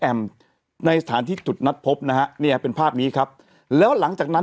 ในสถานที่จุดนัดพบนะฮะเนี่ยเป็นภาพนี้ครับแล้วหลังจากนั้น